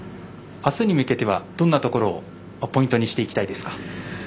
あすに向けてはどんなところをポイントにしていきたいですか？